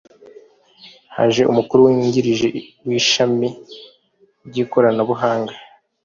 haje umukuru wungirije w ‘ishami ry ikoranabuhanga.